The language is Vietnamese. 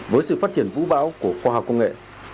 với sự phát triển vũ bão của khoa học công nghệ